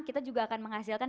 kita juga akan menghasilkan